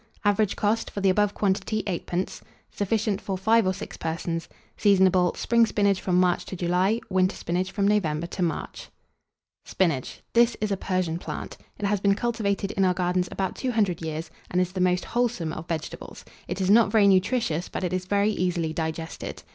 Average cost for the above quantity, 8d. Sufficient for 5 or 6 persons. Seasonable. Spring spinach from March to July; winter spinach from November to March. [Illustration: SPINACH.] SPINACH. This is a Persian plant. It has been cultivated in our gardens about two hundred years, and is the most wholesome of vegetables. It is not very nutritious, but is very easily digested.